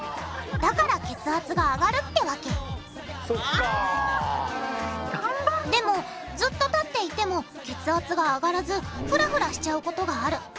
だから血圧が上がるってわけでもずっと立っていても血圧が上がらずフラフラしちゃうことがある。